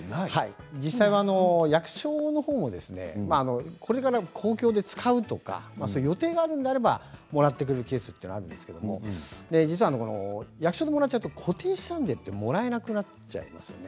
実際は役所もこれから公共で使うとか予定があるのであればもらってくれるケースがあるんですけれども実は役所でもらってしまうと固定資産税がもらえなくなってしまいますよね。